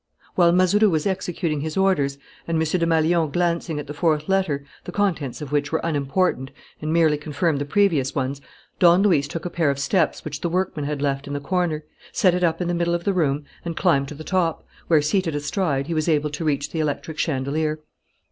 While Mazeroux was executing his orders and M. Desmalions glancing at the fourth letter, the contents of which were unimportant and merely confirmed the previous ones, Don Luis took a pair of steps which the workmen had left in the corner, set it up in the middle of the room and climbed to the top, where, seated astride, he was able to reach the electric chandelier.